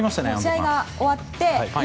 試合が終わって。